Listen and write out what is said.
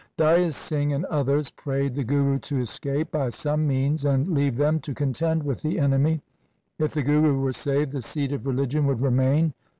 Daya Singh and others prayed the Guru to escape by some means, and leave them to contend with the enemy. If the Guru were saved, the seed of religion would remain.